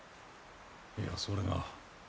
いやそれが。